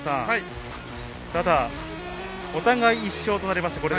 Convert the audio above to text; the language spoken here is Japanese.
お互い１勝となりました。